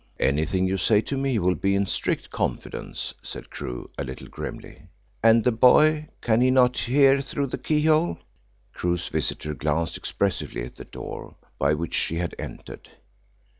"Anything you say to me will be in strict confidence," said Crewe a little grimly. "And the boy? Can he not hear through the keyhole?" Crewe's visitor glanced expressively at the door by which she had entered.